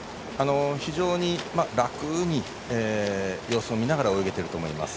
非常に楽に、様子を見ながら泳げてると思います。